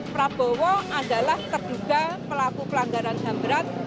prabowo adalah terduga pelaku pelanggaran ham berat